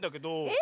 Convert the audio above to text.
え？